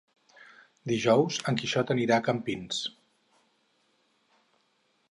Dijous en Quixot anirà a Campins.